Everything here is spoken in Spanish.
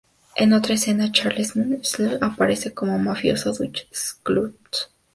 En otra escena, Charles M. Schulz aparece como el mafioso Dutch Schultz.